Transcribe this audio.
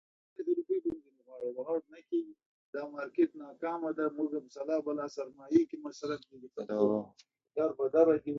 موږ باید له دې نعمتونو ګټه پورته کړو.